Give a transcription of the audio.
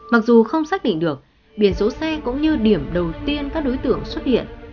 mặc dù không xác định được biển số xe cũng như điểm đầu tiên các đối tượng xuất hiện